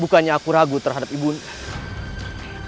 bukannya aku ragu terhadap ibu nak